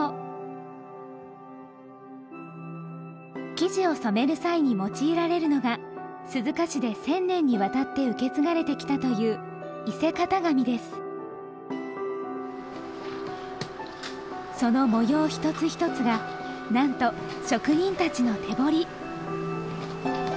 生地を染める際に用いられるのが鈴鹿市で千年にわたって受け継がれてきたというその模様一つ一つがなんと職人たちの手彫り。